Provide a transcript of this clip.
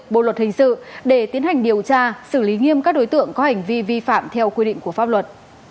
bộ luật hình sự để tiến hành điều tra xử lý nghiêm các đối tượng có hành vi vi phạm theo quy định của pháp luật